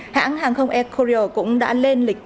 hãng hàng không air korea cũng đã lên lịch sử